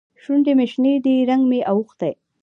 شونډې مې شنې دي؛ رنګ مې اوښتی.